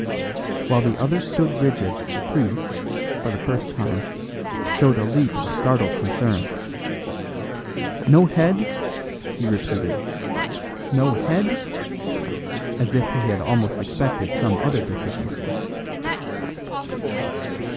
While the others stood rigid the priest, for the first time, showed a leap of startled concern. "No head!" he repeated. "No head?" as if he had almost expected some other deficiency.